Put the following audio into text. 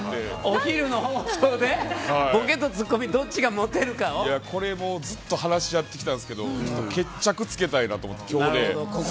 お昼の放送でボケとツッコミどっちがこれ、ずっと話し合ってきたんですけど決着着けたいなと思って、今日で。